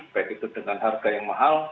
baik itu dengan harga yang mahal